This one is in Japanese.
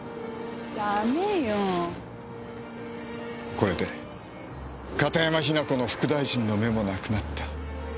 これで片山雛子の副大臣の目もなくなった。